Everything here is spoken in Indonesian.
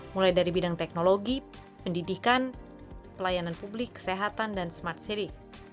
mulai dari bidang teknologi pendidikan pelayanan publik kesehatan dan smart city